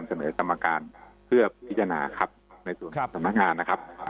เสนอกรรมการเพื่อพิจารณาครับในส่วนสำนักงานนะครับ